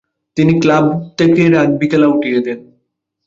তিনি ক্লাব থেকে রাগবি খেলা উঠিয়ে দেন।